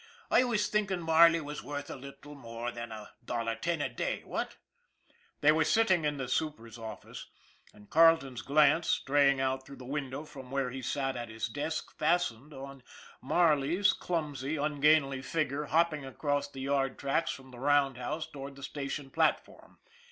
I was thinking Marley was worth a little more than a dollar ten a day, what ?" They were sitting in the super's office, and Carle ton's glance, straying out through the window from where he sat at his desk, fastened on Marley's clumsy, 218 ON THE IRON AT BIG CLOUD ungainly figure hopping across the yard tracks from the roundhouse toward the station platform.